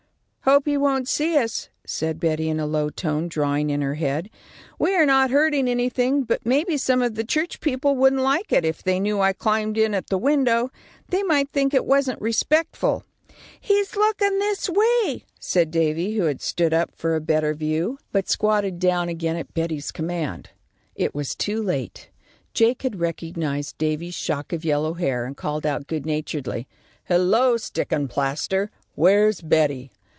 "Hope he won't see us," said Betty, in a low tone, drawing in her head. "We are not hurting anything, but maybe some of the church people wouldn't like it, if they knew I climbed in at the window. They might think it wasn't respectful." "He's looking this way," said Davy, who had stood up for a better view, but squatted down again at Betty's command. [Illustration: "OH, RUN AND GET IT, QUICK, DAVY,' SHE CRIED."] It was too late. Jake had recognised Davy's shock of yellow hair, and called out, good naturedly, "Hello, stickin' plaster, where's Betty?